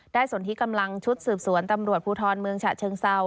สนที่กำลังชุดสืบสวนตำรวจภูทรเมืองฉะเชิงเซา